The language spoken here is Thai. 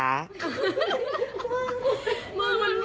มันเหมือนมาก